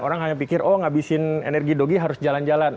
orang hanya pikir oh ngabisin energi dogi harus jalan jalan